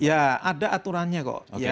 ya ada aturannya kok